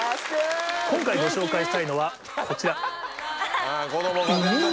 今回ご紹介したいのはこちら。